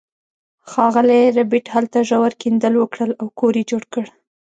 ښاغلي ربیټ هلته ژور کیندل وکړل او کور یې جوړ کړ